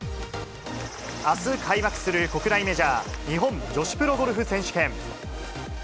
あす開幕する国内メジャー、日本女子プロゴルフ選手権。